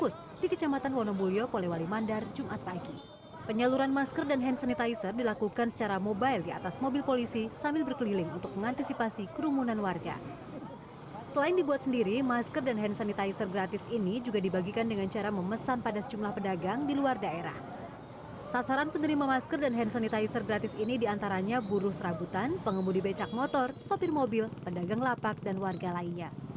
sasaran penerima masker dan hand sanitizer gratis ini diantaranya buruh serabutan pengemudi becak motor sopir mobil pendagang lapak dan warga lainnya